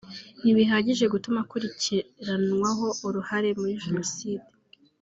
ntibihagije gutuma akurikiranwaho uruhare muri Jenoside